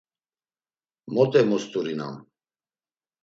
Mot emost̆urinam!